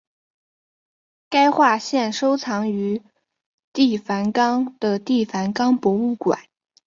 该画现收藏于梵蒂冈的梵蒂冈博物馆。